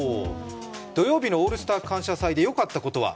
土曜日の「オールスター感謝祭」でよかったことは？